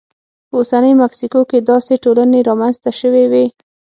په اوسنۍ مکسیکو کې داسې ټولنې رامنځته شوې وې.